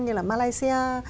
như là malaysia